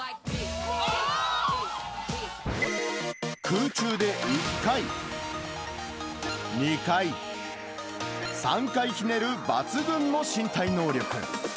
空中で１回、２回、３回ひねる抜群の身体能力。